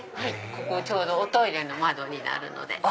ここちょうどおトイレの窓になるので。